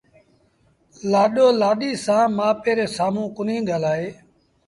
لآڏو لآڏيٚ سآݩ مآ پي ري سآمهون ڪونهيٚ ڳآلآئي